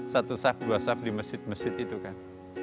satu sab dua sab di masjid masjid itu kan